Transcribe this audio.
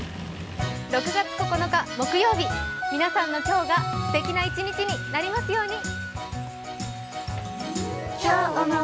６月９日木曜日、皆さんの今日がすてきな一日になりますように。